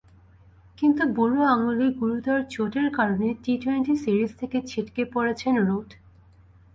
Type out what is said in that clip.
কিন্তু বুড়ো আঙুলে গুরুতর চোটের কারণে টি-টোয়েন্টি সিরিজ থেকে ছিটকে পড়েছেন রুট।